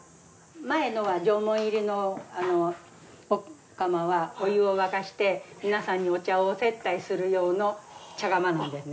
前のお釜はお湯を沸かして皆さんにお茶を接待する用の茶釜なんですね。